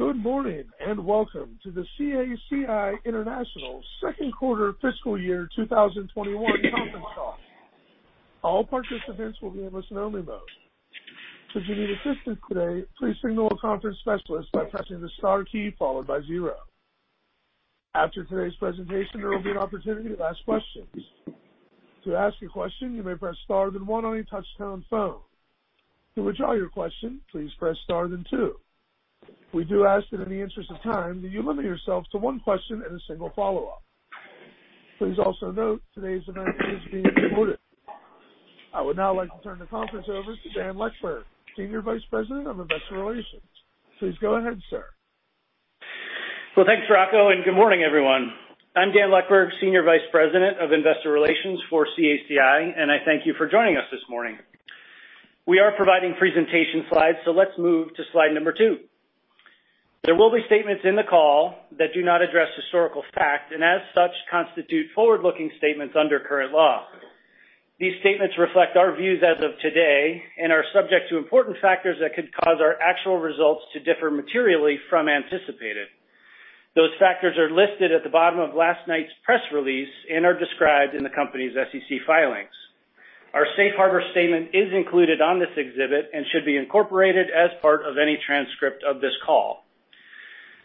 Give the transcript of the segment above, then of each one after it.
Good morning and welcome to the CACI International Second Quarter Fiscal Year 2021 Conference Call. All participants will be in listen-only mode. Should you need assistance today, please signal a conference specialist by pressing the star key followed by zero. After today's presentation, there will be an opportunity to ask questions. To ask a question, you may press star then one on a touch-tone phone. To withdraw your question, please press star then two. We do ask that in the interest of time, that you limit yourself to one question and a single follow-up. Please also note today's event is being recorded. I would now like to turn the conference over to Dan Leckburg, Senior Vice President of Investor Relations. Please go ahead, sir. Thanks, Rocco, and good morning, everyone. I'm Dan Leckburg, Senior Vice President of Investor Relations for CACI, and I thank you for joining us this morning. We are providing presentation slides, so let's move to slide number two. There will be statements in the call that do not address historical fact and, as such, constitute forward-looking statements under current law. These statements reflect our views as of today and are subject to important factors that could cause our actual results to differ materially from anticipated. Those factors are listed at the bottom of last night's press release and are described in the company's SEC filings. Our safe harbor statement is included on this exhibit and should be incorporated as part of any transcript of this call.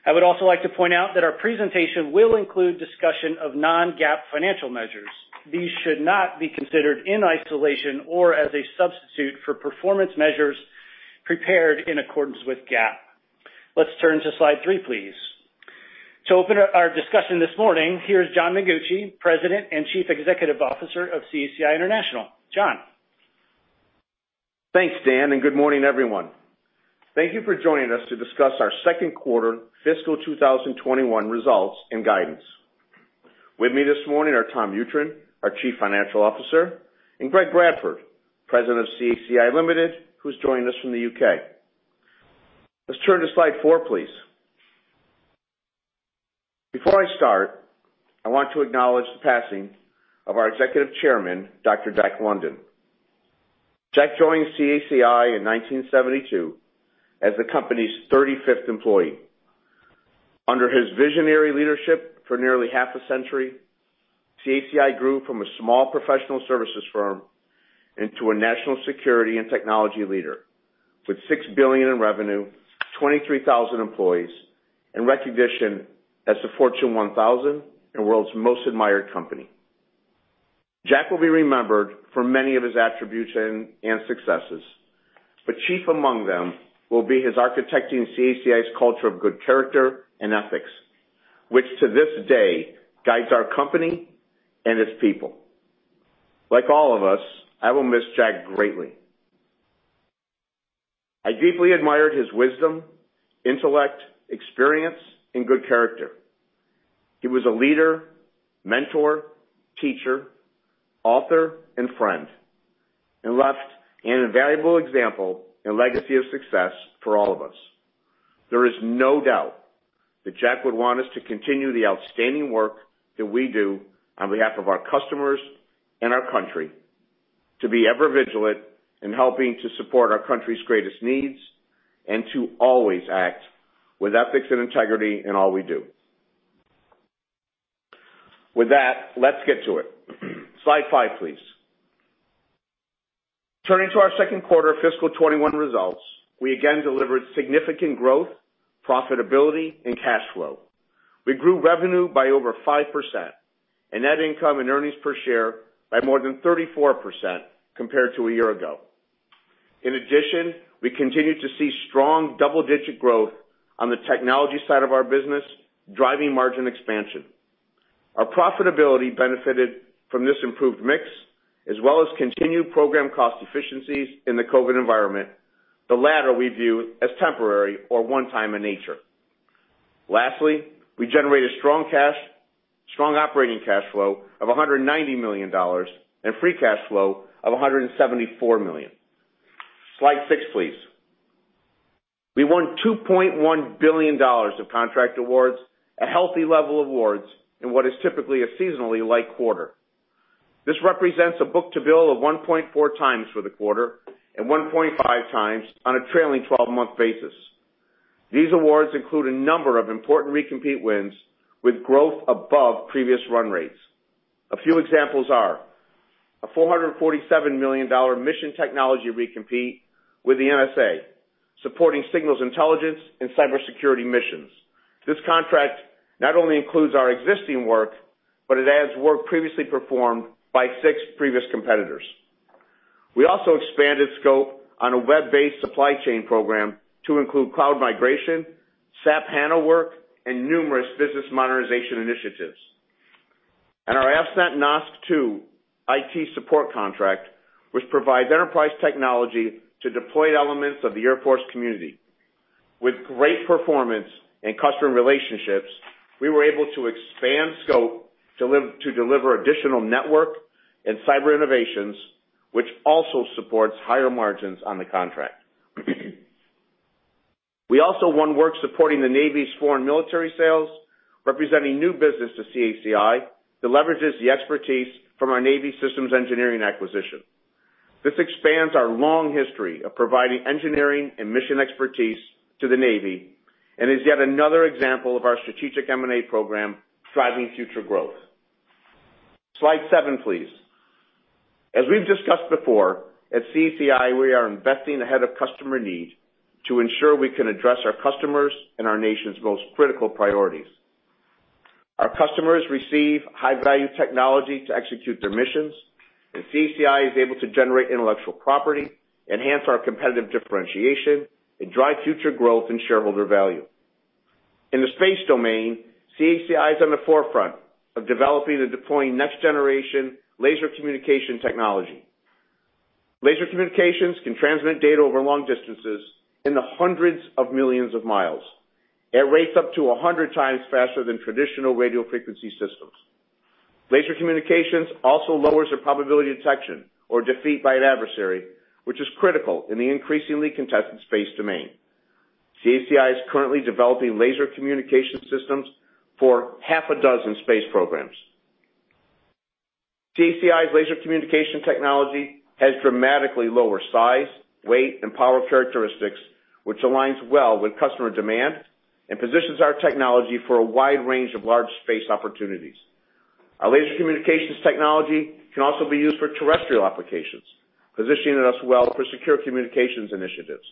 I would also like to point out that our presentation will include discussion of non-GAAP financial measures. These should not be considered in isolation or as a substitute for performance measures prepared in accordance with GAAP. Let's turn to slide three, please. To open our discussion this morning, here is John Mengucci, President and Chief Executive Officer of CACI International. John. Thanks, Dan, and good morning, everyone. Thank you for joining us to discuss our second quarter fiscal 2021 results and guidance. With me this morning are Tom Mutryn, our Chief Financial Officer, and Greg Bradford, President of CACI Limited, who's joining us from the U.K. Let's turn to slide four, please. Before I start, I want to acknowledge the passing of our Executive Chairman, Dr. Jack London. Jack joined CACI in 1972 as the company's 35th employee. Under his visionary leadership for nearly half a century, CACI grew from a small professional services firm into a national security and Technology leader with $6 billion in revenue, 23,000 employees, and recognition as the Fortune 1000 and World's Most Admired Company. Jack will be remembered for many of his attributes and successes, but chief among them will be his architecting CACI's culture of good character and ethics, which to this day guides our company and its people. Like all of us, I will miss Jack greatly. I deeply admired his wisdom, intellect, experience, and good character. He was a leader, mentor, teacher, author, and friend, and left an invaluable example and legacy of success for all of us. There is no doubt that Jack would want us to continue the outstanding work that we do on behalf of our customers and our country, to be ever vigilant in helping to support our country's greatest needs, and to always act with ethics and integrity in all we do. With that, let's get to it. Slide five, please. Turning to our second quarter fiscal 2021 results, we again delivered significant growth, profitability, and cash flow. We grew revenue by over 5% and net income and earnings per share by more than 34% compared to a year ago. In addition, we continue to see strong double-digit growth on the technology side of our business, driving margin expansion. Our profitability benefited from this improved mix, as well as continued program cost efficiencies in the COVID environment, the latter we view as temporary or one-time in nature. Lastly, we generated strong cash, strong operating cash flow of $190 million, and free cash flow of $174 million. Slide six, please. We won $2.1 billion of contract awards, a healthy level of awards in what is typically a seasonally light quarter. This represents a book-to-bill of 1.4 times for the quarter and 1.5 times on a trailing 12-month basis. These awards include a number of important recompete wins with growth above previous run rates. A few examples are a $447 million Mission Technology recompete with the NSA, supporting signals intelligence and cybersecurity missions. This contract not only includes our existing work, but it adds work previously performed by six previous competitors. We also expanded scope on a web-based supply chain program to include cloud migration, SAP-enabled work, and numerous business modernization initiatives, and our AFCENT NOSC II IT support contract, which provides Expertise technology to deployed elements of the Air Force community. With great performance and customer relationships, we were able to expand scope to deliver additional network and cyber innovations, which also supports higher margins on the contract. We also won work supporting the Navy's foreign military sales, representing new business to CACI that leverages the Expertise from our Navy systems engineering acquisition. This expands our long history of providing engineering and mission Expertise to the Navy and is yet another example of our strategic M&A program driving future growth. Slide seven, please. As we've discussed before, at CACI, we are investing ahead of customer need to ensure we can address our customers and our nation's most critical priorities. Our customers receive high-value technology to execute their missions, and CACI is able to generate intellectual property, enhance our competitive differentiation, and drive future growth and shareholder value. In the space domain, CACI is on the forefront of developing and deploying next-generation laser communication technology. Laser communications can transmit data over long distances in the hundreds of millions of miles at rates up to 100 times faster than traditional radio frequency systems. Laser communications also lowers the probability of detection or defeat by an adversary, which is critical in the increasingly contested space domain. CACI is currently developing laser communication systems for half a dozen space programs. CACI's laser communication technology has dramatically lower size, weight, and power characteristics, which aligns well with customer demand and positions our technology for a wide range of large space opportunities. Our laser communications technology can also be used for terrestrial applications, positioning us well for secure communications initiatives.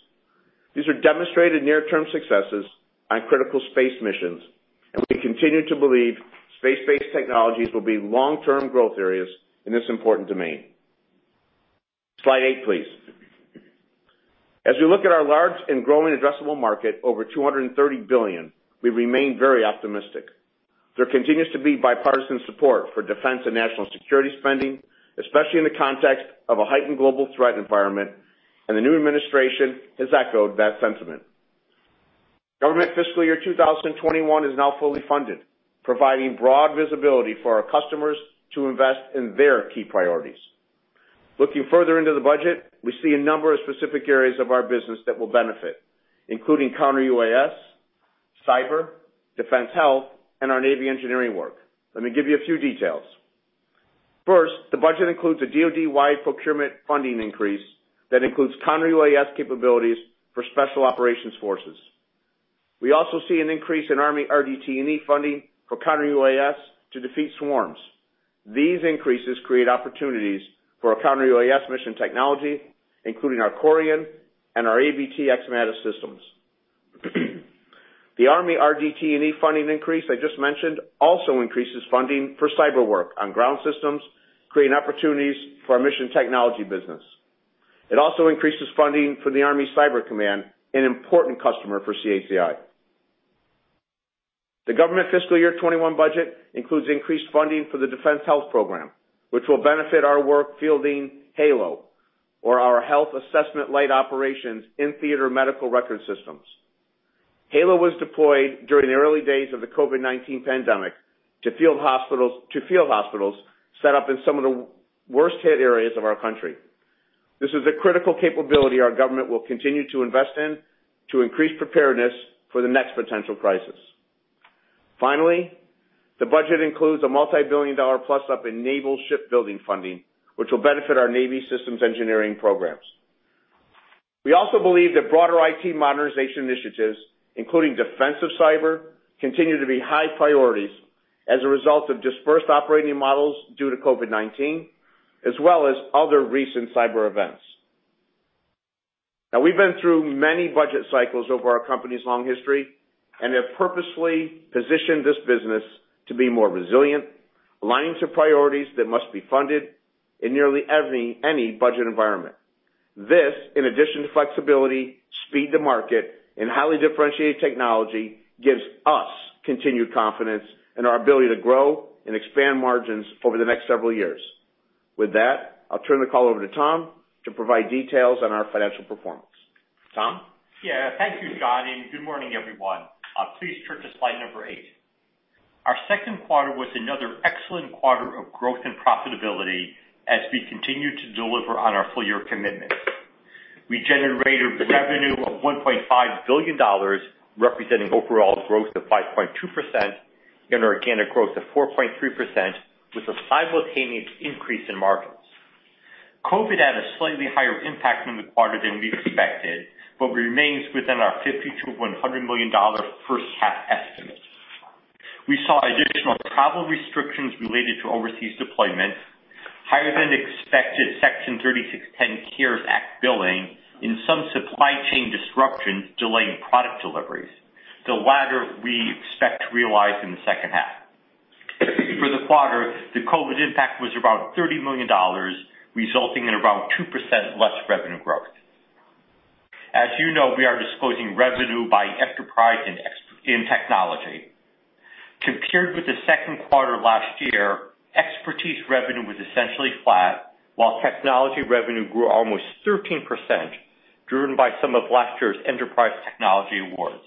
These are demonstrated near-term successes on critical space missions, and we continue to believe space-based technologies will be long-term growth areas in this important domain. Slide eight, please. As we look at our large and growing addressable market, over $230 billion, we remain very optimistic. There continues to be bipartisan support for defense and national security spending, especially in the context of a heightened global threat environment, and the new administration has echoed that sentiment. Government fiscal year 2021 is now fully funded, providing broad visibility for our customers to invest in their key priorities. Looking further into the budget, we see a number of specific areas of our business that will benefit, including counter-UAS, cyber, defense health, and our Navy engineering work. Let me give you a few details. First, the budget includes a DoD-wide procurement funding increase that includes counter-UAS capabilities for special operations forces. We also see an increase in Army RDT&E funding for counter-UAS to defeat swarms. These increases create opportunities for our counter-UAS Mission Technology, including our CORIAN and our AVT X-MADIS systems. The Army RDT&E funding increase I just mentioned also increases funding for cyber work on ground systems, creating opportunities for our Mission Technology business. It also increases funding for the Army Cyber Command, an important customer for CACI. The government fiscal year 2021 budget includes increased funding for the Defense Health Program, which will benefit our work fielding HALO, or our Health Analysis and Light Operations in Theater Medical Record Systems. HALO was deployed during the early days of the COVID-19 pandemic to field hospitals set up in some of the worst-hit areas of our country. This is a critical capability our government will continue to invest in to increase preparedness for the next potential crisis. Finally, the budget includes a multi-billion-dollar plus-up in naval shipbuilding funding, which will benefit our Navy systems engineering programs. We also believe that broader IT modernization initiatives, including defensive cyber, continue to be high priorities as a result of dispersed operating models due to COVID-19, as well as other recent cyber events. Now, we've been through many budget cycles over our company's long history and have purposely positioned this business to be more resilient, aligning to priorities that must be funded in nearly any budget environment. This, in addition to flexibility, speed to market, and highly differentiated technology, gives us continued confidence in our ability to grow and expand margins over the next several years. With that, I'll turn the call over to Tom to provide details on our financial performance. Tom? Yeah, thank you, John, and good morning, everyone. Please turn to slide number eight. Our second quarter was another excellent quarter of growth and profitability as we continued to deliver on our full-year commitments. We generated revenue of $1.5 billion, representing overall growth of 5.2% and organic growth of 4.3%, with a simultaneous increase in margins. COVID had a slightly higher impact on the quarter than we expected, but remains within our $50-$100 million first-half estimate. We saw additional travel restrictions related to overseas deployment, higher than expected Section 3610 CARES Act billing, and some supply chain disruptions delaying product deliveries, the latter we expect to realize in the second half. For the quarter, the COVID impact was about $30 million, resulting in about 2% less revenue growth. As you know, we are disclosing revenue by enterprise and technology. Compared with the second quarter last year, expertise revenue was essentially flat, while technology revenue grew almost 13%, driven by some of last year's enterprise technology awards.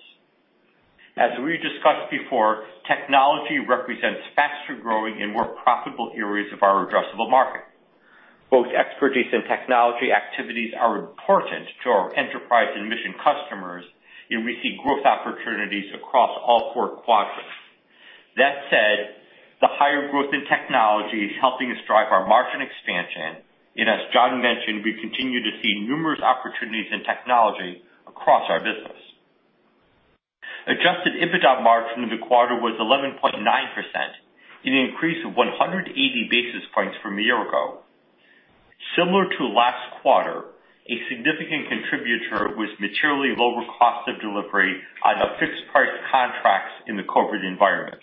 As we discussed before, technology represents faster growing and more profitable areas of our addressable market. Both expertise and technology activities are important to our enterprise and mission customers, and we see growth opportunities across all four quadrants. That said, the higher growth in technology is helping us drive our margin expansion, and as John mentioned, we continue to see numerous opportunities in technology across our business. Adjusted EBITDA margin of the quarter was 11.9%, an increase of 180 basis points from a year ago. Similar to last quarter, a significant contributor was materially lower cost of delivery on the fixed-price contracts in the COVID environment.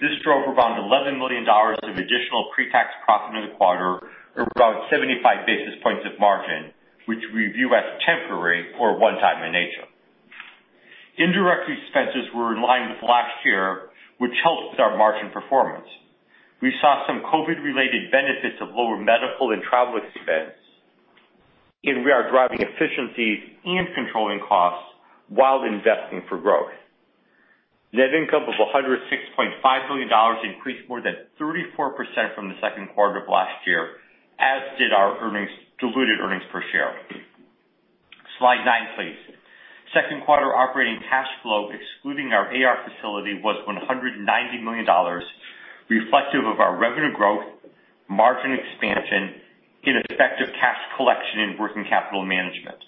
This drove around $11 million of additional pre-tax profit in the quarter, around 75 basis points of margin, which we view as temporary or one-time in nature. Indirect expenses were in line with last year, which helped with our margin performance. We saw some COVID-related benefits of lower medical and travel expense, and we are driving efficiencies and controlling costs while investing for growth. Net income of $106.5 million increased more than 34% from the second quarter of last year, as did our diluted earnings per share. Slide nine, please. Second quarter operating cash flow, excluding our AR facility, was $190 million, reflective of our revenue growth, margin expansion, effective cash collection, and working capital management.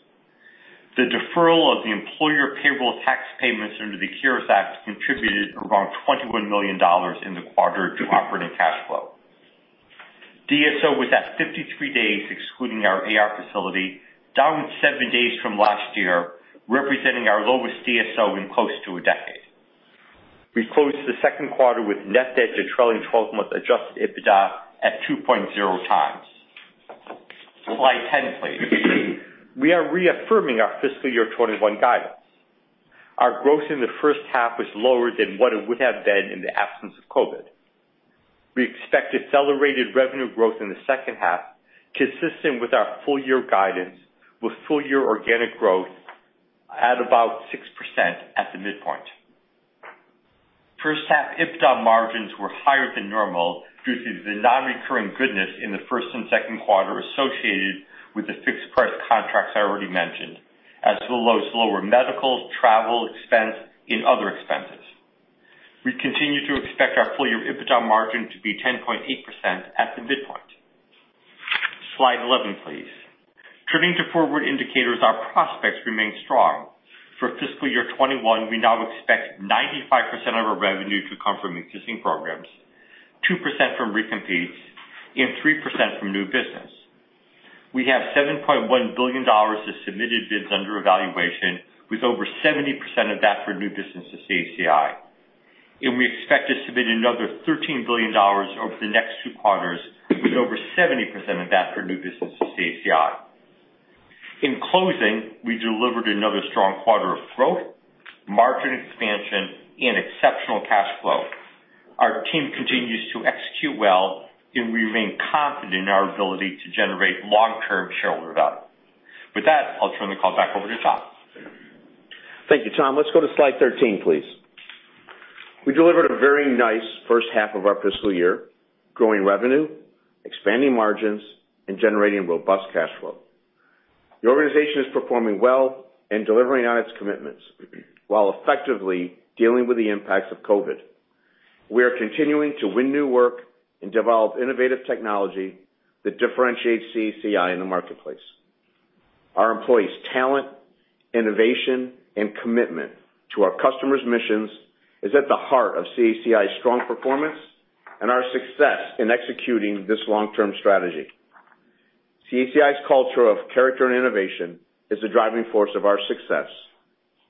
The deferral of the employer payroll tax payments under the CARES Act contributed around $21 million in the quarter to operating cash flow. DSO was at 53 days, excluding our AR facility, down seven days from last year, representing our lowest DSO in close to a decade. We closed the second quarter with net debt of trailing 12-month adjusted EBITDA at 2.0 times. Slide 10, please. We are reaffirming our fiscal year 2021 guidance. Our growth in the first half was lower than what it would have been in the absence of COVID. We expect accelerated revenue growth in the second half, consistent with our full-year guidance, with full-year organic growth at about 6% at the midpoint. First-half EBITDA margins were higher than normal due to the non-recurring goodies in the first and second quarter associated with the fixed-price contracts I already mentioned, as well as lower medical, travel expense, and other expenses. We continue to expect our full-year EBITDA margin to be 10.8% at the midpoint. Slide 11, please. Turning to forward indicators, our prospects remain strong. For fiscal year 2021, we now expect 95% of our revenue to come from existing programs, 2% from recompetes, and 3% from new business. We have $7.1 billion of submitted bids under evaluation, with over 70% of that for new business at CACI. And we expect to submit another $13 billion over the next two quarters, with over 70% of that for new business at CACI. In closing, we delivered another strong quarter of growth, margin expansion, and exceptional cash flow. Our team continues to execute well, and we remain confident in our ability to generate long-term shareholder value. With that, I'll turn the call back over to John. Thank you, Tom. Let's go to slide 13, please. We delivered a very nice first half of our fiscal year, growing revenue, expanding margins, and generating robust cash flow. The organization is performing well and delivering on its commitments while effectively dealing with the impacts of COVID. We are continuing to win new work and develop innovative technology that differentiates CACI in the marketplace. Our employees' talent, innovation, and commitment to our customers' missions is at the heart of CACI's strong performance and our success in executing this long-term strategy. CACI's culture of character and innovation is the driving force of our success,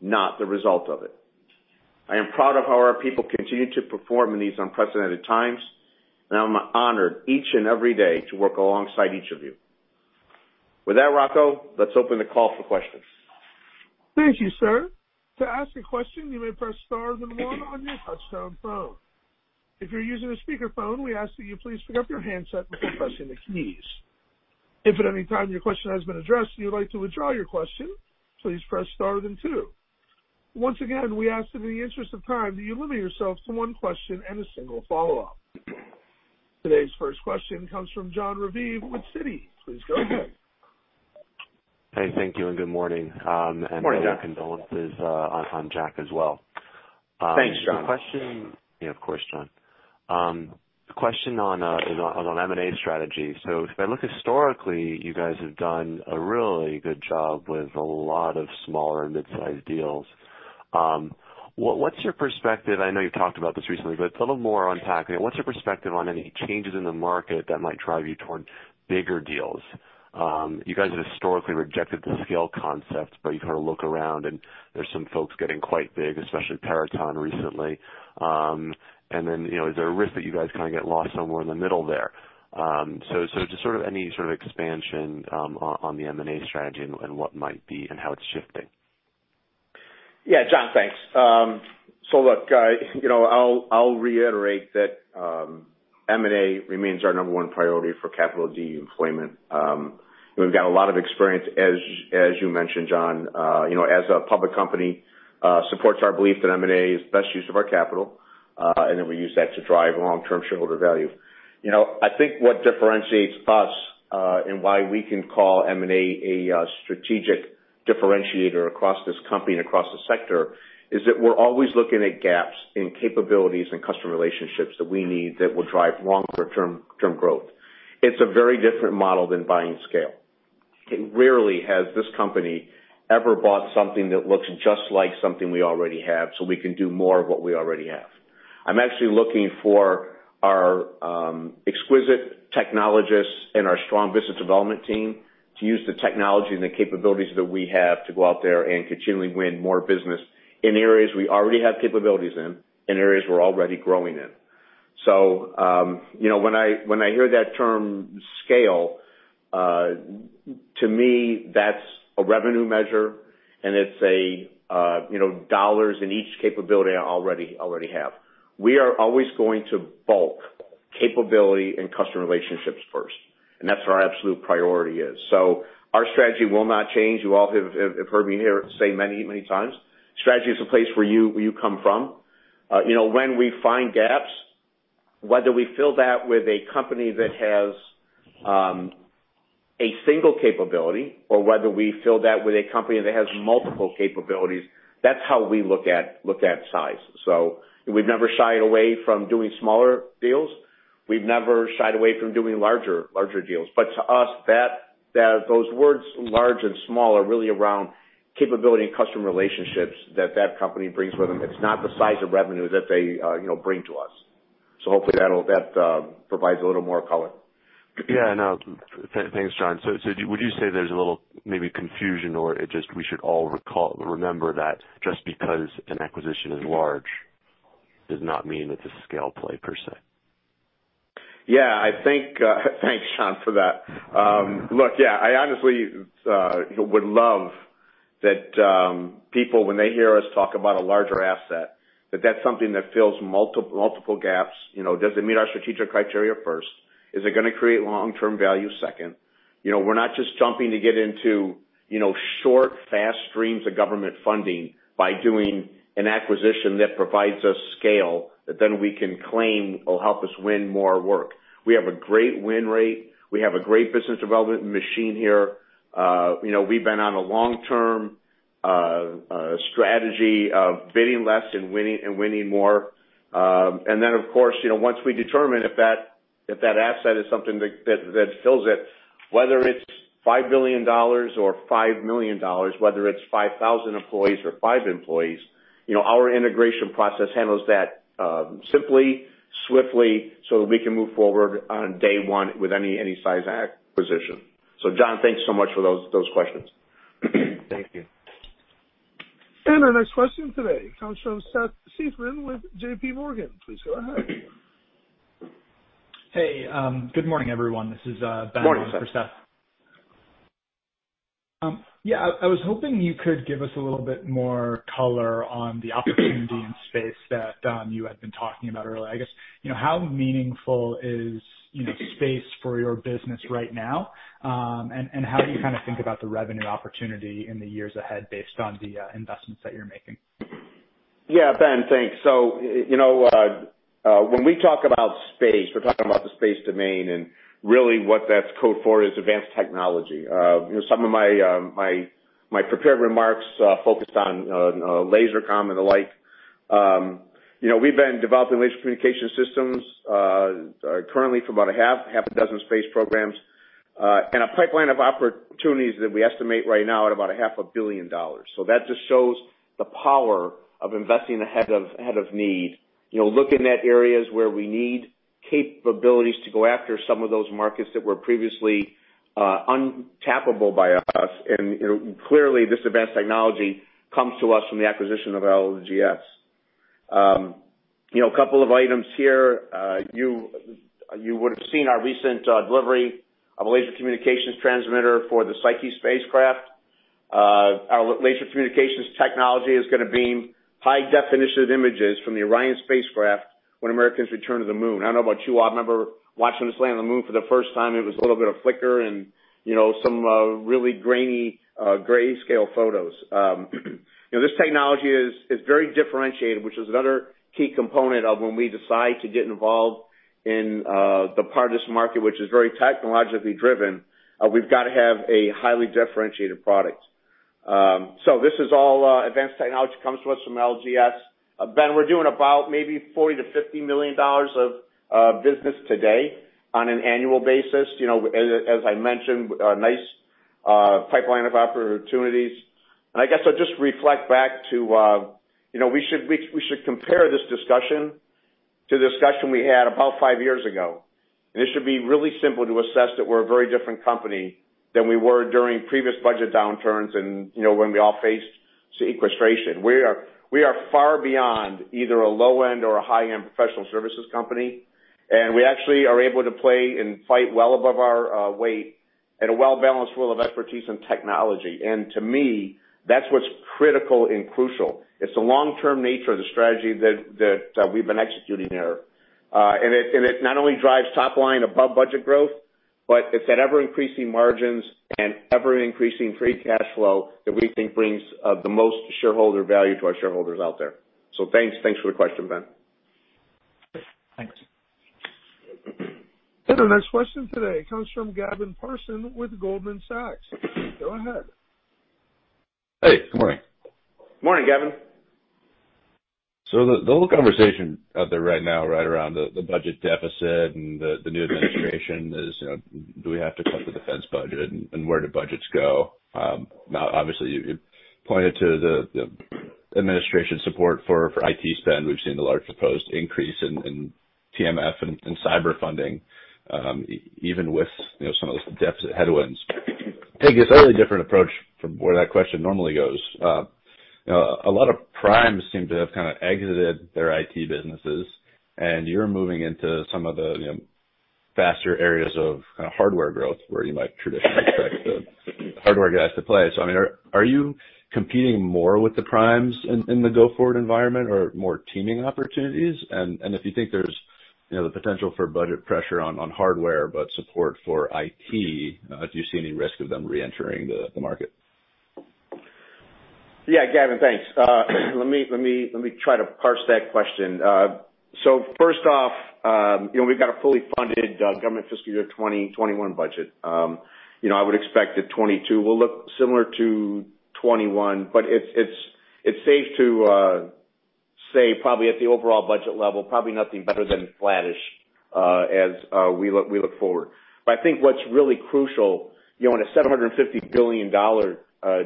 not the result of it. I am proud of how our people continue to perform in these unprecedented times, and I'm honored each and every day to work alongside each of you. With that, Rocco, let's open the call for questions. Thank you, sir. To ask a question, you may press star and one on your touch-tone phone. If you're using a speakerphone, we ask that you please pick up your handset before pressing the keys. If at any time your question has been addressed and you'd like to withdraw your question, please press star then two. Once again, we ask that in the interest of time, that you limit yourself to one question and a single follow-up. Today's first question comes from Jon Raviv with Citi. Please go ahead. Hey, thank you, and good morning. Morning, John. Jack. Condolences on Jack as well. Thanks, John. The question? Yeah, of course, John. The question is on M&A strategy. So if I look historically, you guys have done a really good job with a lot of smaller and mid-sized deals. What's your perspective? I know you've talked about this recently, but it's a little more on track. What's your perspective on any changes in the market that might drive you toward bigger deals? You guys have historically rejected the scale concept, but you've had to look around, and there's some folks getting quite big, especially Peraton recently. And then is there a risk that you guys kind of get lost somewhere in the middle there? So just sort of any sort of expansion on the M&A strategy and what might be and how it's shifting? Yeah, John, thanks. So look, I'll reiterate that M&A remains our number one priority for capital deployment. We've got a lot of experience, as you mentioned, John, as a public company supports our belief that M&A is best use of our capital, and then we use that to drive long-term shareholder value. I think what differentiates us and why we can call M&A a strategic differentiator across this company and across the sector is that we're always looking at gaps in capabilities and customer relationships that we need that will drive longer-term growth. It's a very different model than buying scale. It rarely has this company ever bought something that looks just like something we already have so we can do more of what we already have. I'm actually looking for our exquisite technologists and our strong business development team to use the technology and the capabilities that we have to go out there and continually win more business in areas we already have capabilities in and areas we're already growing in. So when I hear that term scale, to me, that's a revenue measure, and it's dollars in each capability I already have. We are always going to bulk capability and customer relationships first, and that's our absolute priority. So our strategy will not change. You all have heard me say many, many times. Strategy is a place where you come from. When we find gaps, whether we fill that with a company that has a single capability or whether we fill that with a company that has multiple capabilities, that's how we look at size. So we've never shied away from doing smaller deals. We've never shied away from doing larger deals. But to us, those words large and small are really around capability and customer relationships that that company brings with them. It's not the size of revenue that they bring to us. So hopefully, that provides a little more color. Yeah, no, thanks, John. So would you say there's a little maybe confusion or it just we should all remember that just because an acquisition is large does not mean it's a scale play per se? Yeah, I think. Thanks, John, for that. Look, yeah, I honestly would love that people, when they hear us talk about a larger asset, that that's something that fills multiple gaps. Does it meet our strategic criteria first? Is it going to create long-term value second? We're not just jumping to get into short, fast streams of government funding by doing an acquisition that provides us scale that then we can claim will help us win more work. We have a great win rate. We have a great business development machine here. We've been on a long-term strategy of bidding less and winning more. And then, of course, once we determine if that asset is something that fills it, whether it's $5 billion or $5 million, whether it's 5,000 employees or five employees, our integration process handles that simply, swiftly so that we can move forward on day one with any size acquisition. So John, thanks so much for those questions. Thank you. Our next question today comes from Seth Seifman with J.P. Morgan. Please go ahead. Hey, good morning, everyone. This is Ben for Seth. Morning, Seth. Yeah, I was hoping you could give us a little bit more color on the opportunity and space that you had been talking about earlier. I guess, how meaningful is space for your business right now, and how do you kind of think about the revenue opportunity in the years ahead based on the investments that you're making? Yeah, Ben, thanks. When we talk about space, we're talking about the space domain, and really what that's code for is advanced technology. Some of my prepared remarks focused on laser comm and the like. We've been developing laser communication systems currently for about a half a dozen space programs and a pipeline of opportunities that we estimate right now at about $500 million. So that just shows the power of investing ahead of need, looking at areas where we need capabilities to go after some of those markets that were previously untappable by us. And clearly, this advanced technology comes to us from the acquisition of LGS. A couple of items here. You would have seen our recent delivery of a laser communications transmitter for the Psyche spacecraft. Our laser communications technology is going to beam high-definition images from the Orion spacecraft when Americans return to the moon. I don't know about you. I remember watching this land on the moon for the first time. It was a little bit of flicker and some really grainy grayscale photos. This technology is very differentiated, which is another key component of when we decide to get involved in the part of this market, which is very technologically driven. We've got to have a highly differentiated product. So this is all advanced technology that comes to us from LGS. Ben, we're doing about maybe $40-$50 million of business today on an annual basis. As I mentioned, a nice pipeline of opportunities. And I guess I'll just reflect back to we should compare this discussion to the discussion we had about five years ago. It should be really simple to assess that we're a very different company than we were during previous budget downturns and when we all faced sequestration. We are far beyond either a low-end or a high-end professional services company. We actually are able to play and fight well above our weight in a well-balanced world of expertise and technology. To me, that's what's critical and crucial. It's the long-term nature of the strategy that we've been executing here. It not only drives top line above budget growth, but it's at ever-increasing margins and ever-increasing free cash flow that we think brings the most shareholder value to our shareholders out there. Thanks for the question, Ben. Thanks. Our next question today comes from Gavin Parsons with Goldman Sachs. Go ahead. Hey, good morning. Good morning, Gavin. So the whole conversation out there right now, right around the budget deficit and the new administration, is do we have to cut the defense budget and where do budgets go? Obviously, you pointed to the administration support for IT spend. We've seen the large proposed increase in TMF and cyber funding, even with some of those deficit headwinds. I guess a really different approach from where that question normally goes. A lot of primes seem to have kind of exited their IT businesses, and you're moving into some of the faster areas of kind of hardware growth where you might traditionally expect the hardware guys to play. So I mean, are you competing more with the primes in the go-forward environment or more teaming opportunities? If you think there's the potential for budget pressure on hardware but support for IT, do you see any risk of them re-entering the market? Yeah, Gavin, thanks. Let me try to parse that question. So first off, we've got a fully funded government fiscal year 2021 budget. I would expect that 2022 will look similar to 2021, but it's safe to say probably at the overall budget level, probably nothing better than flattish as we look forward. But I think what's really crucial, in a $750 billion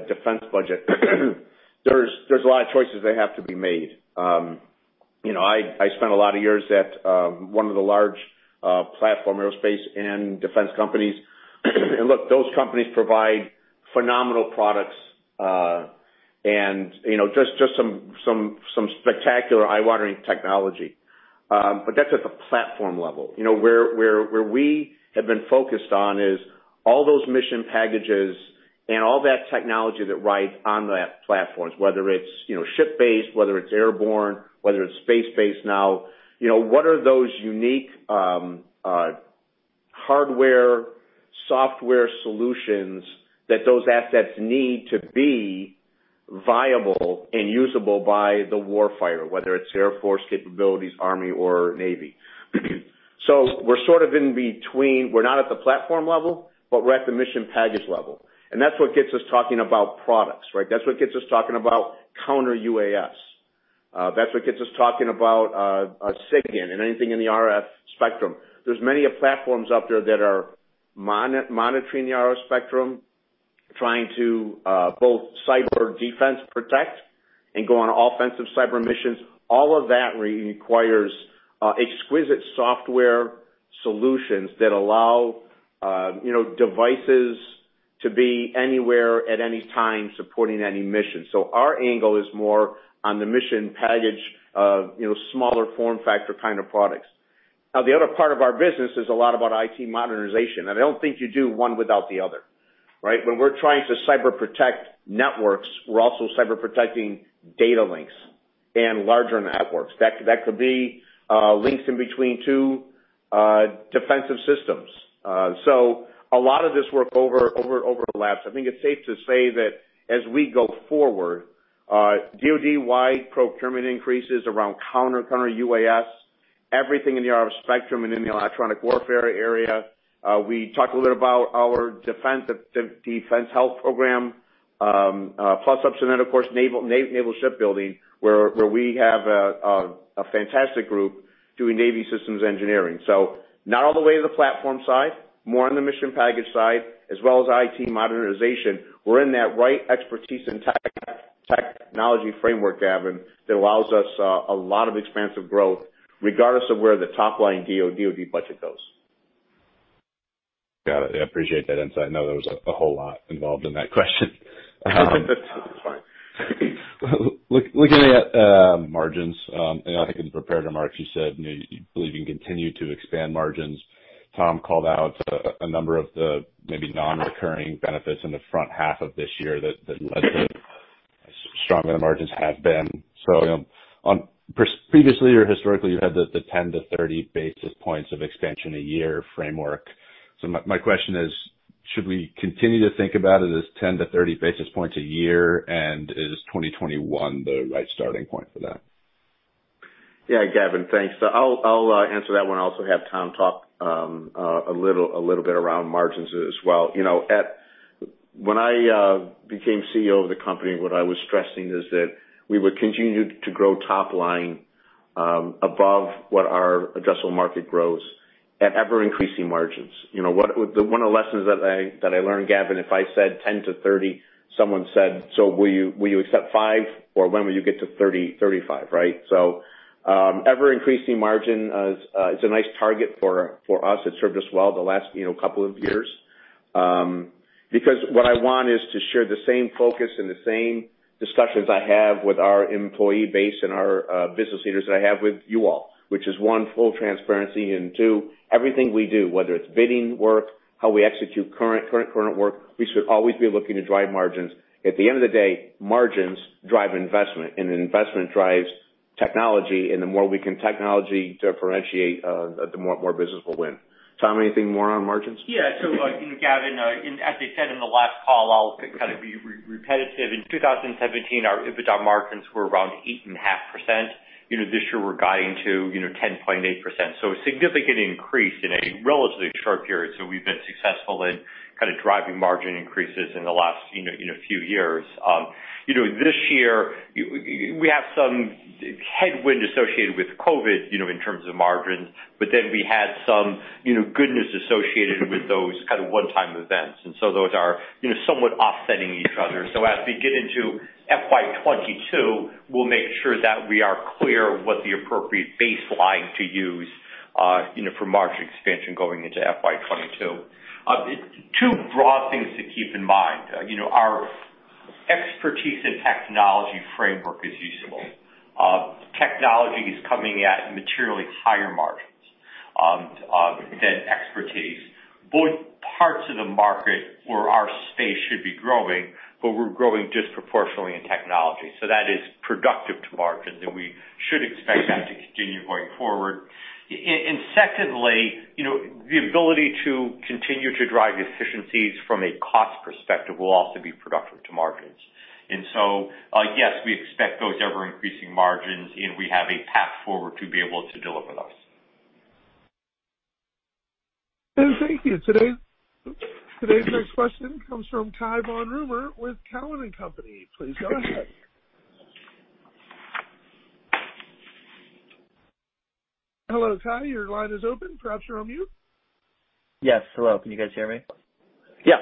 defense budget, there's a lot of choices that have to be made. I spent a lot of years at one of the large platform aerospace and defense companies. And look, those companies provide phenomenal products and just some spectacular eye-watering technology. But that's at the platform level. Where we have been focused on is all those mission packages and all that technology that rides on that platform, whether it's ship-based, whether it's airborne, whether it's space-based now. What are those unique hardware, software solutions that those assets need to be viable and usable by the warfighter, whether it's Air Force capabilities, Army, or Navy? So we're sort of in between. We're not at the platform level, but we're at the mission package level. And that's what gets us talking about products, right? That's what gets us talking about counter UAS. That's what gets us talking about SIGINT and anything in the RF spectrum. There's many platforms out there that are monitoring the RF spectrum, trying to both cyber defense protect and go on offensive cyber missions. All of that requires exquisite software solutions that allow devices to be anywhere at any time supporting any mission. So our angle is more on the mission package of smaller form factor kind of products. Now, the other part of our business is a lot about IT modernization. And I don't think you do one without the other, right? When we're trying to cyber protect networks, we're also cyber protecting data links and larger networks. That could be links in between two defensive systems. So a lot of this work overlaps. I think it's safe to say that as we go forward, DoD-wide procurement increases around counter-UAS, everything in the RF spectrum and in the electronic warfare area. We talked a little bit about our defense health program, plus-ups and then, of course, naval shipbuilding, where we have a fantastic group doing Navy systems engineering. So not all the way to the platform side, more on the mission package side, as well as IT modernization. We're in that right expertise and technology framework, Gavin, that allows us a lot of expansive growth regardless of where the top line DoD budget goes. Got it. I appreciate that insight. No, there was a whole lot involved in that question. It's fine. Looking at margins, I think in the prepared remarks, you said you believe you can continue to expand margins. Tom called out a number of the maybe non-recurring benefits in the front half of this year that led to stronger margins have been. So previously, or historically, you had the 10-30 basis points of expansion a year framework. So my question is, should we continue to think about it as 10-30 basis points a year, and is 2021 the right starting point for that? Yeah, Gavin, thanks. I'll answer that one. I also have Tom talk a little bit around margins as well. When I became CEO of the company, what I was stressing is that we would continue to grow top line above what our addressable market grows at ever-increasing margins. One of the lessons that I learned, Gavin, if I said 10 to 30, someone said, "So will you accept 5, or when will you get to 35?" Right? So ever-increasing margin is a nice target for us. It's served us well the last couple of years. Because what I want is to share the same focus and the same discussions I have with our employee base and our business leaders that I have with you all, which is one, full transparency, and two, everything we do, whether it's bidding work, how we execute current work, we should always be looking to drive margins. At the end of the day, margins drive investment, and investment drives technology. The more we can technologically differentiate, the more business we will win. Tom, anything more on margins? Yeah. So Gavin, as I said in the last call, I'll kind of be repetitive. In 2017, our EBITDA margins were around 8.5%. This year, we're guiding to 10.8%. So a significant increase in a relatively short period. So we've been successful in kind of driving margin increases in the last few years. This year, we have some headwind associated with COVID in terms of margins, but then we had some goodness associated with those kind of one-time events. And so those are somewhat offsetting each other. So as we get into FY22, we'll make sure that we are clear what the appropriate baseline to use for margin expansion going into FY22. Two broad things to keep in mind. Our expertise and technology framework is useful. Technology is coming at materially higher margins than expertise. Both parts of the market where our space should be growing, but we're growing disproportionately in technology. So that is productive to margins, and we should expect that to continue going forward. And secondly, the ability to continue to drive efficiencies from a cost perspective will also be productive to margins. And so yes, we expect those ever-increasing margins, and we have a path forward to be able to deliver those. Thank you. Today's next question comes from Cai von Rumohr with Cowen & Company. Please go ahead. Hello, Cai. Your line is open. Perhaps you're on mute. Yes. Hello. Can you guys hear me? Yeah.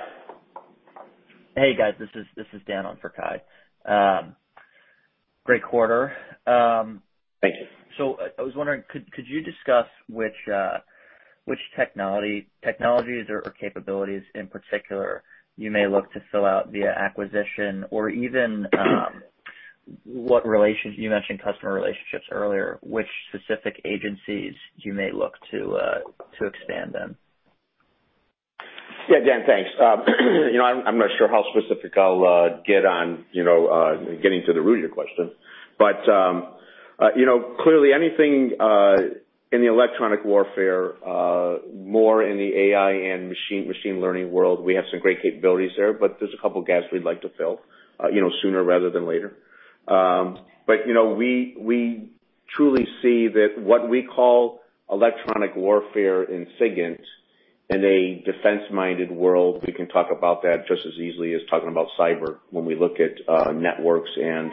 Hey, guys. This is Dan on for Cai. Great quarter. Thank you. So I was wondering, could you discuss which technologies or capabilities in particular you may look to fill out via acquisition or even what relationships you mentioned customer relationships earlier, which specific agencies you may look to expand them? Yeah, Dan, thanks. I'm not sure how specific I'll get on getting to the root of your question. But clearly, anything in the electronic warfare, more in the AI and machine learning world, we have some great capabilities there, but there's a couple of gaps we'd like to fill sooner rather than later. But we truly see that what we call electronic warfare in SIGINT in a defense-minded world, we can talk about that just as easily as talking about cyber when we look at networks and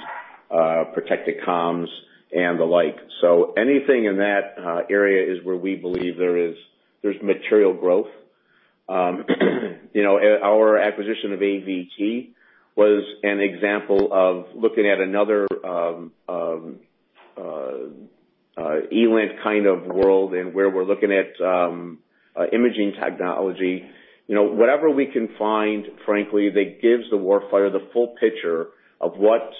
protected comms and the like. So anything in that area is where we believe there's material growth. Our acquisition of AVT was an example of looking at another ELINT kind of world and where we're looking at imaging technology. Whatever we can find, frankly, that gives the warfighter the full picture of what's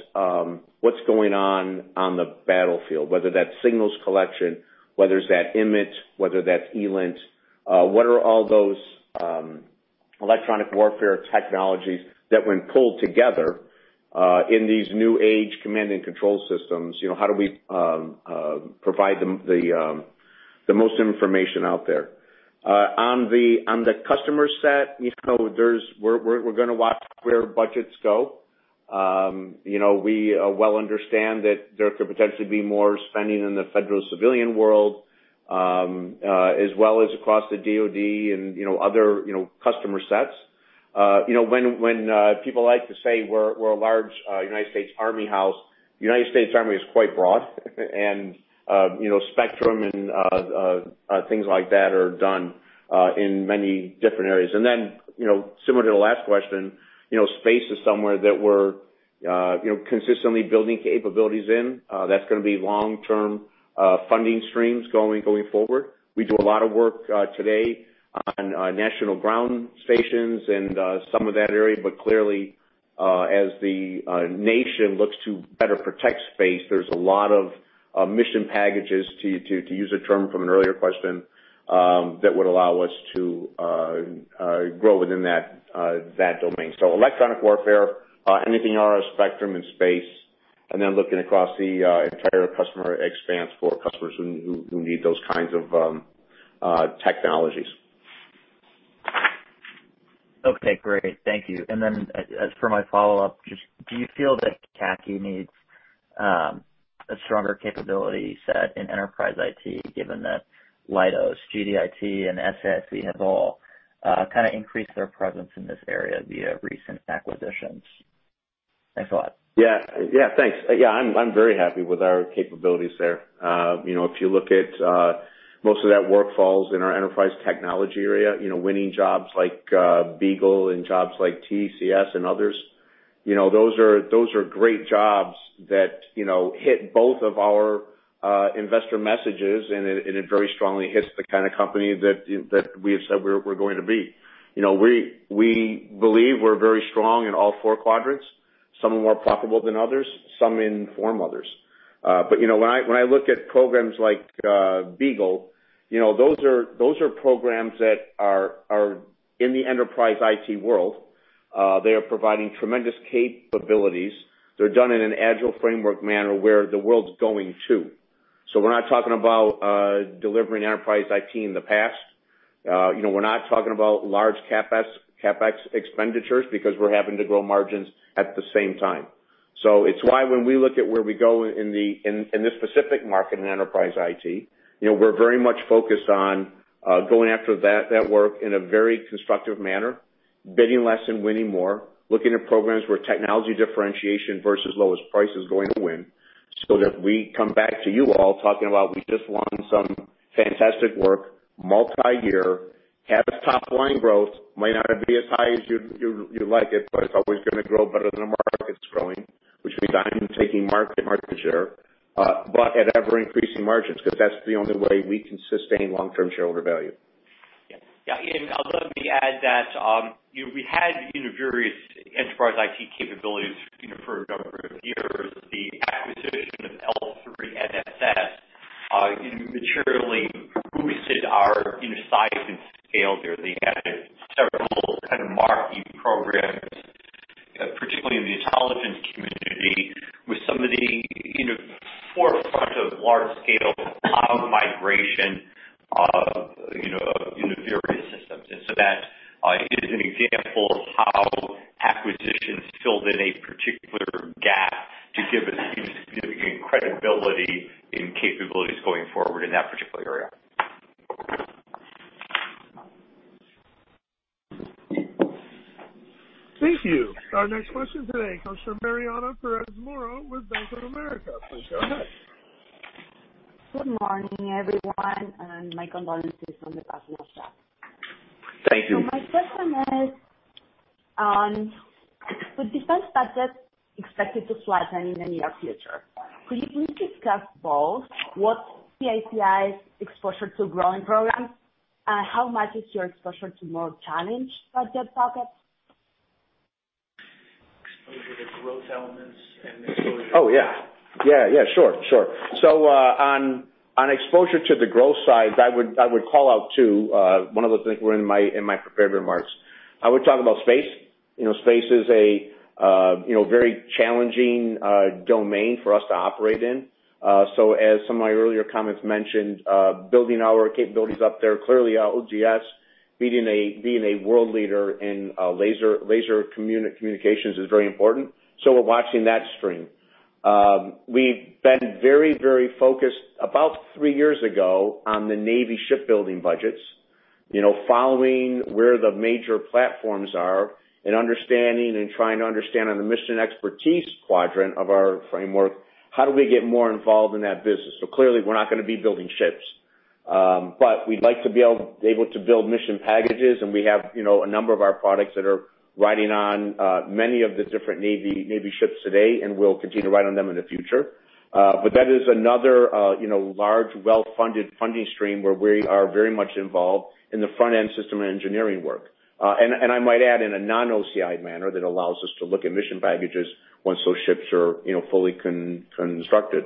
going on on the battlefield, whether that's signals collection, whether it's that IMINT, whether that's ELINT, what are all those electronic warfare technologies that when pulled together in these new-age command and control systems, how do we provide the most information out there? On the customer set, we're going to watch where budgets go. We well understand that there could potentially be more spending in the federal civilian world as well as across the DoD and other customer sets. When people like to say we're a large United States Army house, the United States Army is quite broad, and spectrum and things like that are done in many different areas. And then similar to the last question, space is somewhere that we're consistently building capabilities in. That's going to be long-term funding streams going forward. We do a lot of work today on national ground stations and some of that area, but clearly, as the nation looks to better protect space, there's a lot of mission packages, to use a term from an earlier question, that would allow us to grow within that domain. So electronic warfare, anything RF spectrum and space, and then looking across the entire customer expanse for customers who need those kinds of technologies. Okay. Great. Thank you. And then for my follow-up, do you feel that CACI needs a stronger capability set in enterprise IT, given that Leidos, GDIT, and SAIC have all kind of increased their presence in this area via recent acquisitions? Thanks a lot. Yeah. Yeah, thanks. Yeah, I'm very happy with our capabilities there. If you look at most of that work falls in our enterprise technology area, winning jobs like BEAGLE and jobs like TSA and others, those are great jobs that hit both of our investor messages, and it very strongly hits the kind of company that we have said we're going to be. We believe we're very strong in all four quadrants, some more profitable than others, some inform others. But when I look at programs like BEAGLE, those are programs that are in the enterprise IT world. They are providing tremendous capabilities. They're done in an agile framework manner where the world's going to. So we're not talking about delivering enterprise IT in the past. We're not talking about large CapEx expenditures because we're having to grow margins at the same time. So it's why when we look at where we go in this specific market in enterprise IT, we're very much focused on going after that work in a very constructive manner, bidding less and winning more, looking at programs where technology differentiation versus lowest price is going to win so that we come back to you all talking about we just won some fantastic work, multi-year, have top line growth, might not be as high as you'd like it, but it's always going to grow better than the market's growing, which means I'm taking market share, but at ever-increasing margins because that's the only way we can sustain long-term shareholder value. Yeah, and I'd love to add that we had various enterprise IT capabilities for a number of years. The acquisition of L-3 NSS materially boosted our size and scale there. They had several kind of marquee programs, particularly in the intelligence community, with some of the forefront of large-scale cloud migration of various systems. And so that is an example of how acquisitions filled in a particular gap to give us significant credibility and capabilities going forward in that particular area. Thank you. Our next question today comes from Mariana Perez Mora with Bank of America. Please go ahead. Good morning, everyone. I'm Mariana Perez Mora with Bank of America. Thank you. So my question is, with defense budgets expected to flatten in the near future, could you please discuss both what CACI's exposure to growing programs and how much is your exposure to more challenged budget pockets? Exposure to growth elements and exposure. Oh, yeah. Yeah, yeah. Sure, sure. So on exposure to the growth side, I would call out to one of the things we're in my prepared remarks. I would talk about space. Space is a very challenging domain for us to operate in. So as some of my earlier comments mentioned, building our capabilities up there, clearly LGS being a world leader in laser communications is very important. So we're watching that stream. We've been very, very focused about three years ago on the Navy shipbuilding budgets, following where the major platforms are and understanding and trying to understand on the mission expertise quadrant of our framework, how do we get more involved in that business? So clearly, we're not going to be building ships, but we'd like to be able to build mission packages. We have a number of our products that are riding on many of the different Navy ships today, and we'll continue to ride on them in the future. That is another large well-funded funding stream where we are very much involved in the front-end system engineering work. I might add in a non-OCI manner that allows us to look at mission packages once those ships are fully constructed.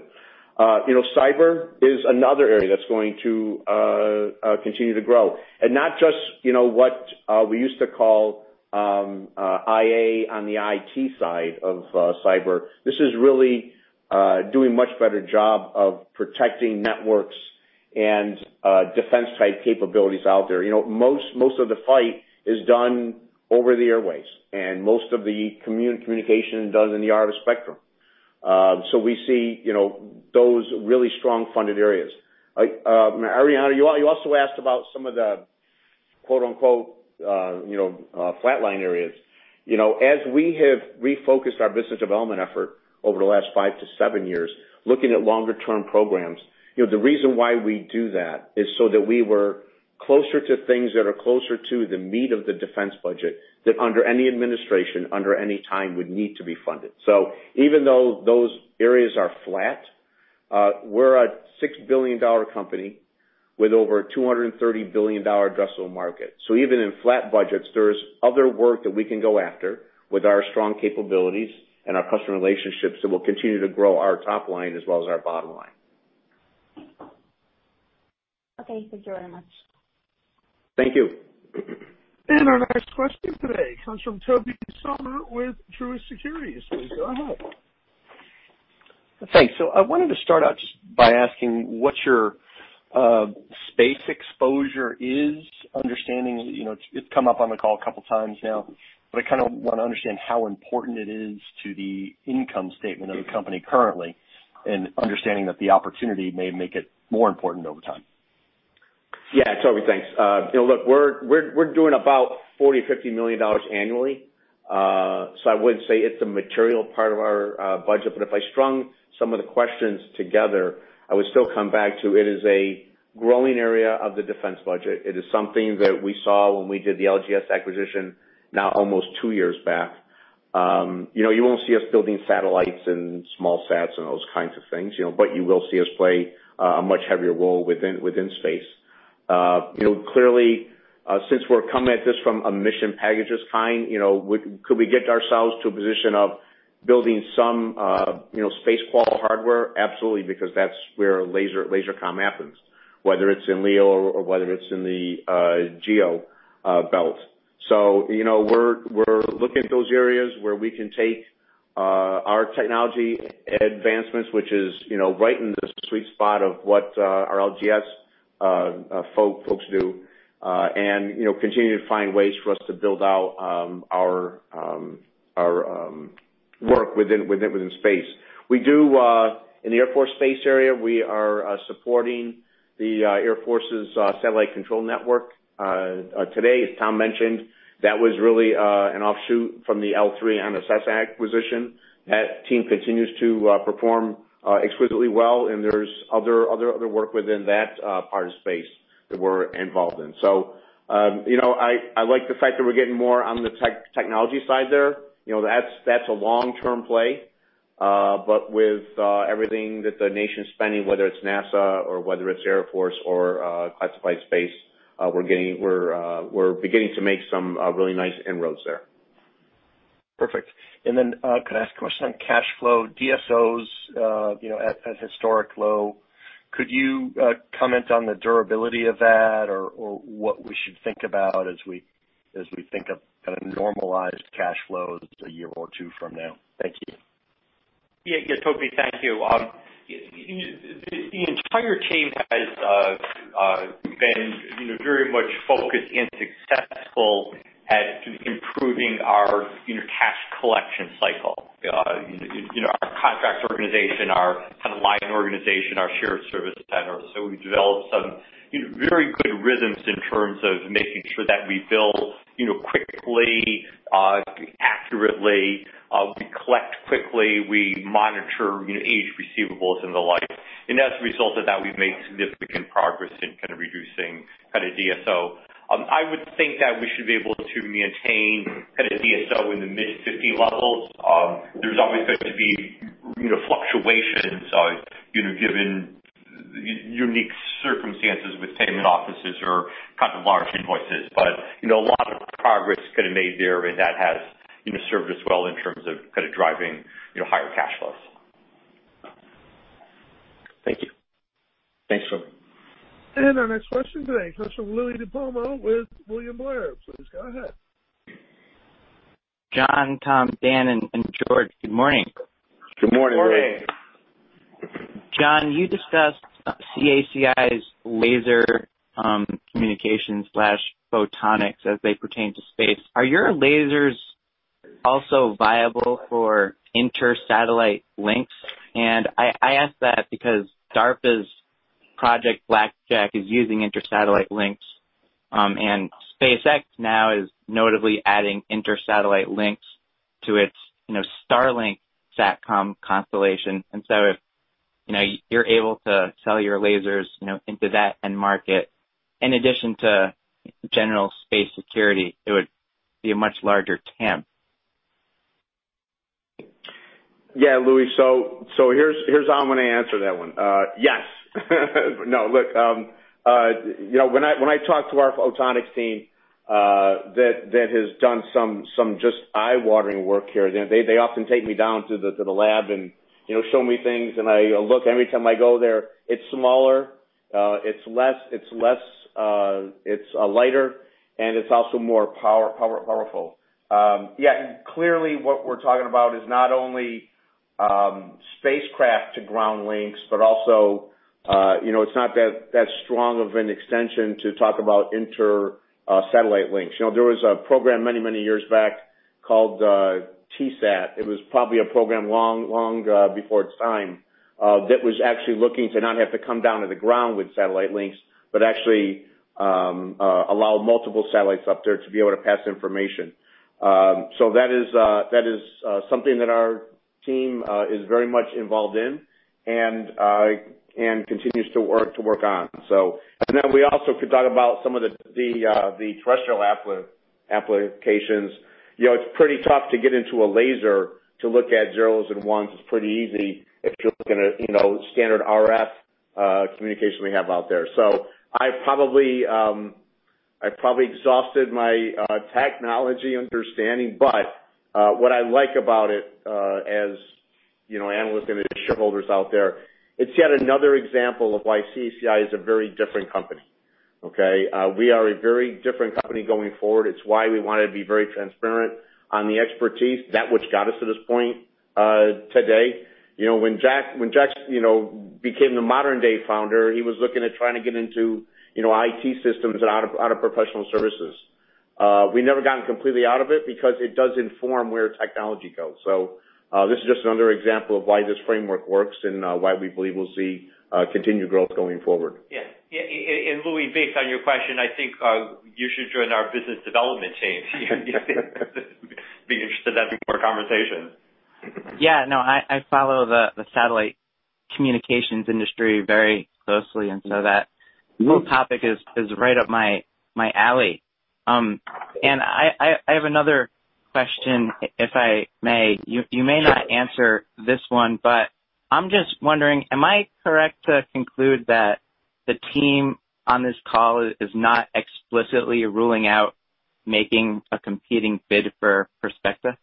Cyber is another area that's going to continue to grow. Not just what we used to call IA on the IT side of cyber. This is really doing a much better job of protecting networks and defense-type capabilities out there. Most of the fight is done over the airways, and most of the communication is done in the RF spectrum. We see those really strong funded areas. Mariana, you also asked about some of the "flatline areas." As we have refocused our business development effort over the last five to seven years, looking at longer-term programs, the reason why we do that is so that we were closer to things that are closer to the meat of the defense budget that under any administration, under any time, would need to be funded. So even though those areas are flat, we're a $6 billion company with over a $230 billion addressable market. So even in flat budgets, there's other work that we can go after with our strong capabilities and our customer relationships that will continue to grow our top line as well as our bottom line. Okay. Thank you very much. Thank you. Our next question today comes from Tobey Sommer with Truist Securities. Please go ahead. Thanks. So I wanted to start out just by asking what your space exposure is, understanding it's come up on the call a couple of times now, but I kind of want to understand how important it is to the income statement of the company currently and understanding that the opportunity may make it more important over time. Yeah. Toby, thanks. Look, we're doing about $40-$50 million annually. So I wouldn't say it's a material part of our budget, but if I strung some of the questions together, I would still come back to it is a growing area of the defense budget. It is something that we saw when we did the LGS acquisition now almost two years back. You won't see us building satellites and SmallSats and those kinds of things, but you will see us play a much heavier role within space. Clearly, since we're coming at this from a mission packages kind, could we get ourselves to a position of building some space quality hardware? Absolutely, because that's where laser comm happens, whether it's in LEO or whether it's in the GEO belt. So we're looking at those areas where we can take our technology advancements, which is right in the sweet spot of what our LGS folks do, and continue to find ways for us to build out our work within space. In the Air Force space area, we are supporting the Air Force's satellite control network. Today, as Tom mentioned, that was really an offshoot from the L3 NSS acquisition. That team continues to perform exquisitely well, and there's other work within that part of space that we're involved in. So I like the fact that we're getting more on the technology side there. That's a long-term play, but with everything that the nation's spending, whether it's NASA or whether it's Air Force or classified space, we're beginning to make some really nice inroads there. Perfect. And then could I ask a question on cash flow? DSOs at historic low. Could you comment on the durability of that or what we should think about as we think of kind of normalized cash flows a year or two from now? Thank you. Yeah. Toby, thank you. The entire team has been very much focused and successful at improving our cash collection cycle. Our contract organization, our kind of line organization, our shared service center. So we've developed some very good rhythms in terms of making sure that we bill quickly, accurately, we collect quickly, we monitor aged receivables, and the like. And as a result of that, we've made significant progress in kind of reducing kind of DSO. I would think that we should be able to maintain kind of DSO in the mid-50 levels. There's always going to be fluctuations given unique circumstances with payment offices or kind of large invoices, but a lot of progress could have made there, and that has served us well in terms of kind of driving higher cash flows. Thank you. Thanks, Toby. Our next question today, question from Louie DiPalma with William Blair. Please go ahead. John, Tom, Dan, and Greg, good morning. Good morning, Louie. John, you discussed CACI's laser communications/photonics as they pertain to space. Are your lasers also viable for inter-satellite links? And I ask that because DARPA's Project Blackjack is using inter-satellite links, and SpaceX now is notably adding inter-satellite links to its Starlink satcom constellation. And so if you're able to sell your lasers into that end market, in addition to general space security, it would be a much larger TAM. Yeah, Louie, so here's how I'm going to answer that one. Yes. No, look, when I talk to our photonics team that has done some just eye-watering work here, they often take me down to the lab and show me things, and I look every time I go there. It's smaller. It's less. It's lighter, and it's also more powerful. Yeah. Clearly, what we're talking about is not only spacecraft to ground links, but also it's not that strong of an extension to talk about inter-satellite links. There was a program many, many years back called TSAT. It was probably a program long before its time that was actually looking to not have to come down to the ground with satellite links, but actually allow multiple satellites up there to be able to pass information. So that is something that our team is very much involved in and continues to work on. And then we also could talk about some of the terrestrial applications. It's pretty tough to get into a laser to look at zeros and ones. It's pretty easy if you're looking at standard RF communications we have out there. So I probably exhausted my technology understanding, but what I like about it as analysts and shareholders out there, it's yet another example of why CACI is a very different company. Okay? We are a very different company going forward. It's why we wanted to be very transparent on the expertise, that which got us to this point today. When Jack became the modern-day founder, he was looking at trying to get into IT systems and out of professional services. We never got completely out of it because it does inform where technology goes. So this is just another example of why this framework works and why we believe we'll see continued growth going forward. Yeah. And Louie, based on your question, I think you should join our business development team. Be interested in that more conversation. Yeah. No, I follow the satellite communications industry very closely, and so that topic is right up my alley. And I have another question, if I may. You may not answer this one, but I'm just wondering, am I correct to conclude that the team on this call is not explicitly ruling out making a competing bid for Perspecta?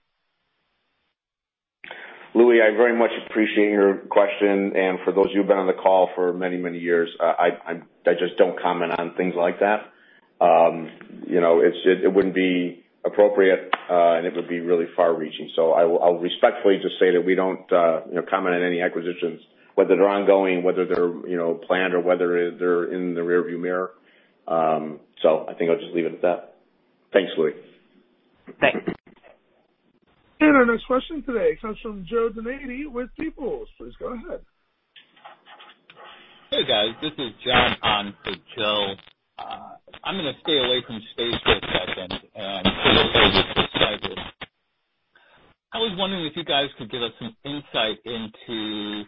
Louie, I very much appreciate your question, and for those of you who have been on the call for many, many years, I just don't comment on things like that. It wouldn't be appropriate, and it would be really far-reaching, so I'll respectfully just say that we don't comment on any acquisitions, whether they're ongoing, whether they're planned, or whether they're in the rearview mirror, so I think I'll just leave it at that. Thanks, Louie. Thanks. Our next question today comes from Joe DeNardi with Stifel. Please go ahead. Hey, guys. This is John on the Stifel. I'm going to stay away from space for a second and stay with the cyber. I was wondering if you guys could give us some insight into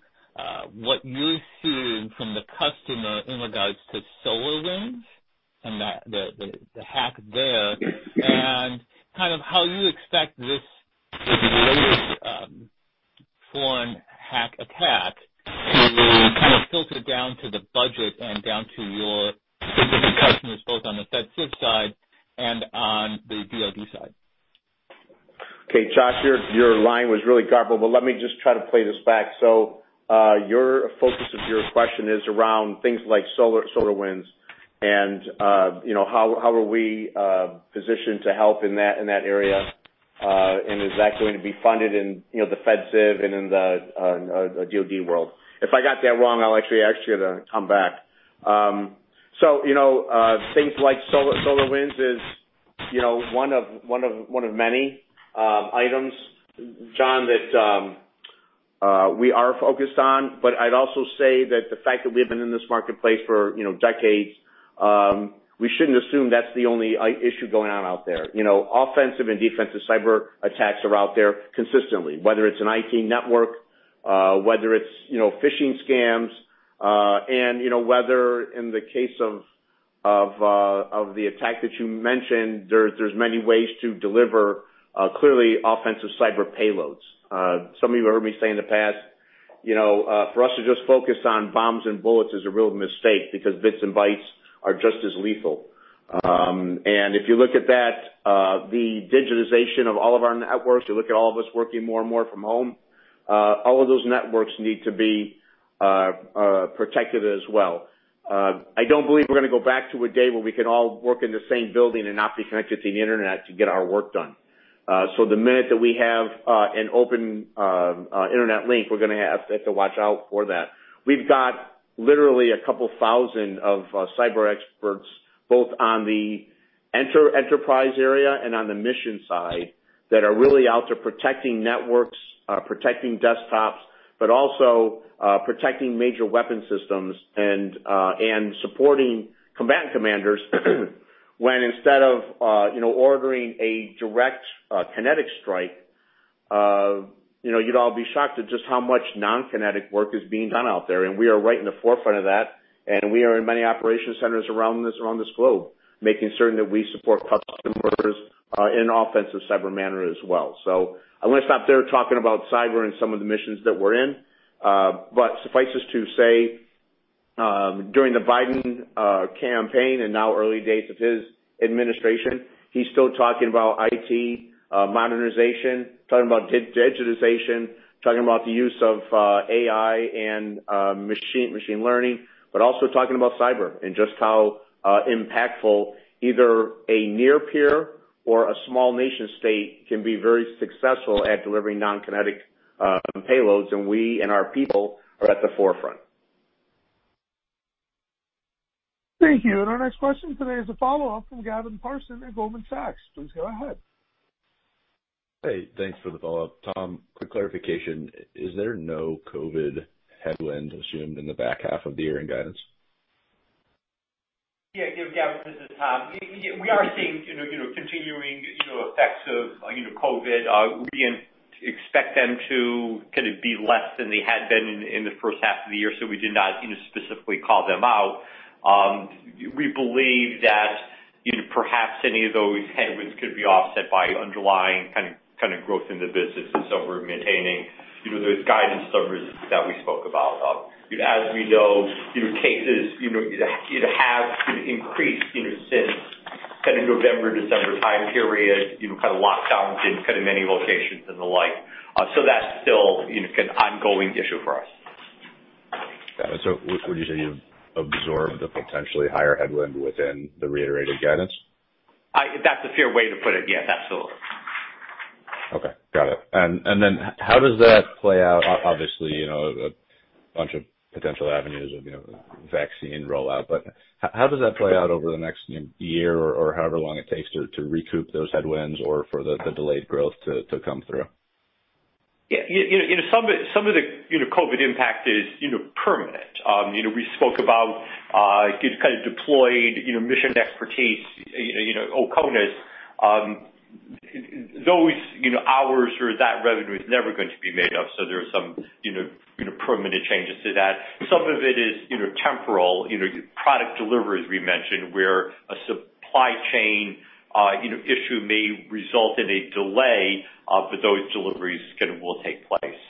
what you're seeing from the customer in regards to SolarWinds and the hack there and kind of how you expect this latest foreign hack attack to kind of filter down to the budget and down to your specific customers, both on the FedCiv side and on the DoD side? Okay. Josh, your line was really garbled, but let me just try to play this back. So the focus of your question is around things like SolarWinds and how are we positioned to help in that area, and is that going to be funded in the FedCiv and in the DoD world? If I got that wrong, I'll actually ask you to come back. So things like SolarWinds is one of many items, John, that we are focused on, but I'd also say that the fact that we have been in this marketplace for decades, we shouldn't assume that's the only issue going on out there. Offensive and defensive cyber attacks are out there consistently, whether it's an IT network, whether it's phishing scams, and whether in the case of the attack that you mentioned, there's many ways to deliver clearly offensive cyber payloads. Some of you have heard me say in the past, for us to just focus on bombs and bullets is a real mistake because bits and bytes are just as lethal, and if you look at that, the digitization of all of our networks, you look at all of us working more and more from home, all of those networks need to be protected as well. I don't believe we're going to go back to a day where we can all work in the same building and not be connected to the internet to get our work done, so the minute that we have an open internet link, we're going to have to watch out for that. We've got literally a couple thousand of cyber experts both on the enterprise area and on the mission side that are really out there protecting networks, protecting desktops, but also protecting major weapon systems and supporting combatant commanders when instead of ordering a direct kinetic strike, you'd all be shocked at just how much non-kinetic work is being done out there, and we are right in the forefront of that, and we are in many operations centers around this globe making certain that we support customers in an offensive cyber manner as well. I want to stop there talking about cyber and some of the missions that we're in, but suffice it to say during the Biden campaign and now early days of his administration, he's still talking about IT modernization, talking about digitization, talking about the use of AI and machine learning, but also talking about cyber and just how impactful either a near-peer or a small nation-state can be very successful at delivering non-kinetic payloads. And we and our people are at the forefront. Thank you. And our next question today is a follow-up from Gavin Parsons at Goldman Sachs. Please go ahead. Hey, thanks for the follow-up. Tom, quick clarification. Is there no COVID headwind assumed in the back half of the year in guidance? Yeah. Gavin, this is Tom. We are seeing continuing effects of COVID. We didn't expect them to kind of be less than they had been in the first half of the year, so we did not specifically call them out. We believe that perhaps any of those headwinds could be offset by underlying kind of growth in the business, and so we're maintaining those guidance numbers that we spoke about. As we know, cases have increased since kind of November, December time period, kind of lockdowns in kind of many locations and the like, so that's still an ongoing issue for us. Got it. So would you say you've absorbed a potentially higher headwind within the reiterated guidance? That's a fair way to put it. Yes, absolutely. Okay. Got it. And then how does that play out? Obviously, a bunch of potential avenues of vaccine rollout, but how does that play out over the next year or however long it takes to recoup those headwinds or for the delayed growth to come through? Yeah. Some of the COVID impact is permanent. We spoke about kind of deployed mission expertise, OCONUS. Those hours or that revenue is never going to be made up. So there are some permanent changes to that. Some of it is temporal. Product deliveries we mentioned where a supply chain issue may result in a delay, but those deliveries kind of will take place.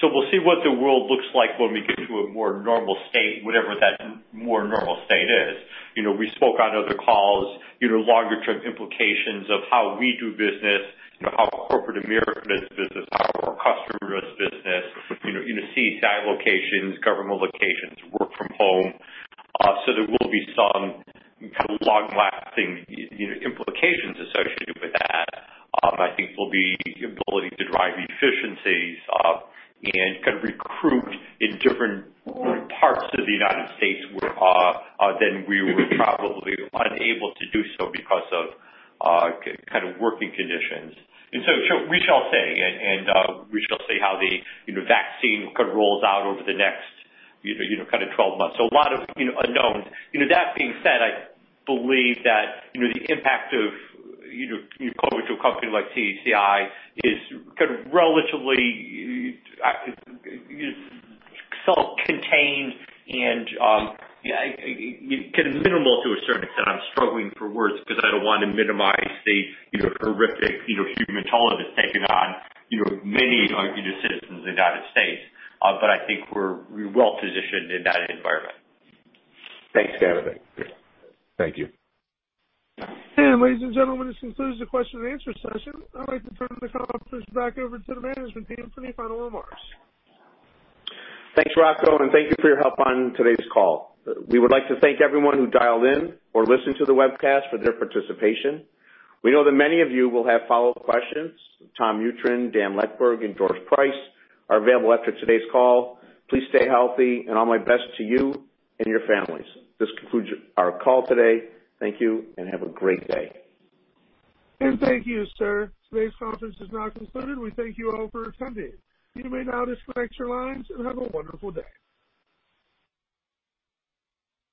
So we'll see what the world looks like when we get to a more normal state, whatever that more normal state is. We spoke on other calls, longer-term implications of how we do business, how corporate America does business, how our customers do business, CACI locations, government locations, work from home. So there will be some kind of long-lasting implications associated with that. I think there'll be the ability to drive efficiencies and kind of recruit in different parts of the United States than we were probably unable to do so because of kind of working conditions, and so we shall see, and we shall see how the vaccine kind of rolls out over the next kind of 12 months, so a lot of unknowns. That being said, I believe that the impact of COVID to a company like CACI is kind of relatively self-contained and kind of minimal to a certain extent. I'm struggling for words because I don't want to minimize the horrific human toll it has taken on many citizens in the United States, but I think we're well-positioned in that environment. Thanks, Gavin. Thank you. Ladies and gentlemen, this concludes the question and answer session. I'd like to turn the conference back over to the management team for any final remarks. Thanks, Rocco, and thank you for your help on today's call. We would like to thank everyone who dialed in or listened to the webcast for their participation. We know that many of you will have follow-up questions. Tom Mutryn, Dan Leckburg, and George Price are available after today's call. Please stay healthy, and all my best to you and your families. This concludes our call today. Thank you, and have a great day. Thank you, sir. Today's conference is now concluded. We thank you all for attending. You may now disconnect your lines and have a wonderful day.